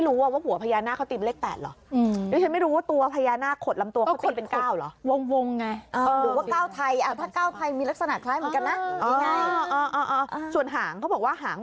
หมายอ่ะอย่างเงี้ยอ่าดองดูว่าเป็นยังไงฮะ